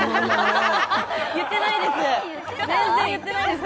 言ってないです